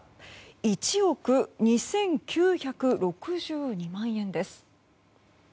１億２９６２万円です。